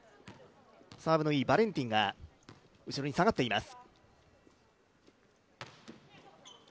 サーブのいいバレンティンが後ろに下がっています。